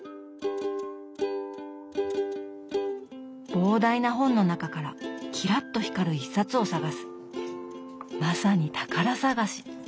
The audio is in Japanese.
膨大な本の中からキラッと光る１冊を探すまさに宝探し。